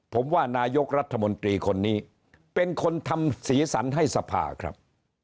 ผมว่านายกรัฐมนตรีคนนี้เป็นคนทำสีสันให้สภาครับ